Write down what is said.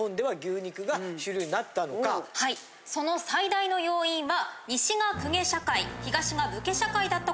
はいその最大の要因は。